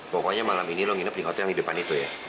pokoknya malam ini lo nginep di hotel yang di depan itu ya